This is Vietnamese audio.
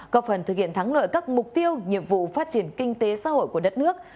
có phần thực hiện thắng lợi các mục tiêu nhiệm vụ phát triển kinh tế xã hội của đất nước